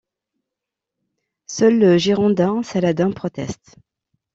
Seul le girondin Saladin proteste.